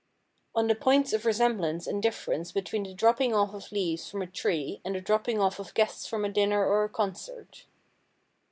On the points of resemblance and difference between the dropping off of leaves from a tree and the dropping off of guests from a dinner or a concert.